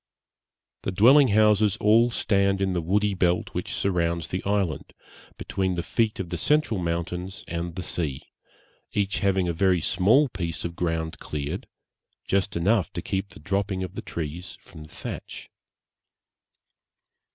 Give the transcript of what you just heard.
The dwelling houses all stand in the woody belt which surrounds the island, between the feet of the central mountains and the sea, each having a very small piece of ground cleared, just enough to keep the dropping of the trees from the thatch.